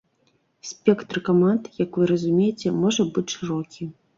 Спектр каманд, як вы разумееце, можа быць шырокі.